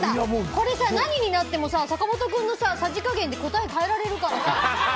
これ何になっても坂本君のさじ加減で答え変えられるからさ。